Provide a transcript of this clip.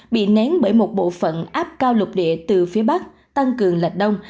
bị nén bởi một bộ phận áp cao lục địa từ phía bắc tăng cường lệch đông